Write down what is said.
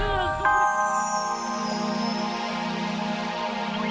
mama nggak peduli